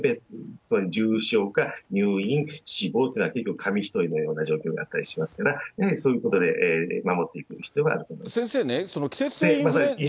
つまり重症化、入院、死亡というのが紙一重みたいな状況になったりしますから、やはりそういうことで守っていく必要があると思います。